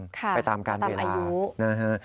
ค่ะตามอายุไปตามการเวลานะฮะ